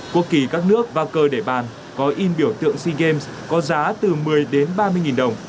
quốc kỳ các nước và cơ đề bàn có in biểu tượng sea games có giá từ một mươi đến ba mươi nghìn đồng